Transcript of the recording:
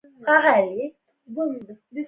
سخوندر د غوا غولانځه رودله.